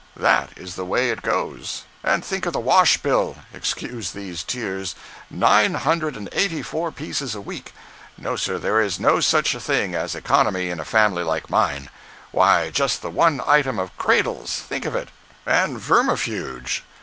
That is the way it goes. And think of the wash bill—(excuse these tears)—nine hundred and eighty four pieces a week! No, sir, there is no such a thing as economy in a family like mine. Why, just the one item of cradles—think of it! And vermifuge!